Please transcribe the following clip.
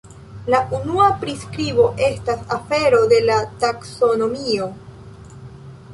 La unua priskribo estas afero de la taksonomio.